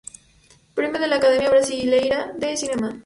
Premio de la Academia Brasileira de Cinema.